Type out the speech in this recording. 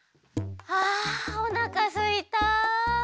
あおなかすいた。